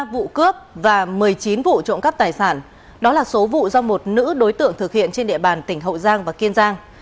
hai mươi vụ cướp và một mươi chín vụ trộm cắp tài sản đó là số vụ do một nữ đối tượng thực hiện trên địa bàn tỉnh hậu giang và kiên giang